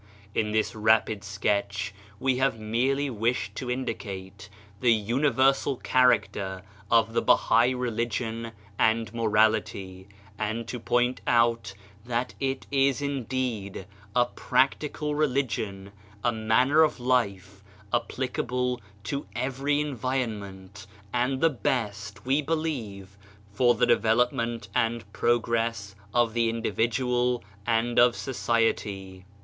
In this rapid sketch we have merely wished to indicate the universal character of the Bahai religion and morality, and to point out that it is indeed a practical religion, a manner of life applicable to every en vironment, and the best, we believe, for *74 BAHAISM the development and progress of the individual and of society.